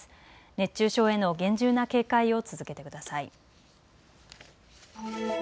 熱中症への厳重な警戒を続けてください。